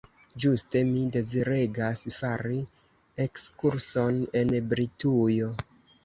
Ĝuste mi deziregas fari ekskurson en Britujo.